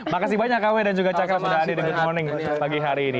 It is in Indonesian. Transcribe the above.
makasih banyak kw dan juga cakra sudah hadir di good morning pagi hari ini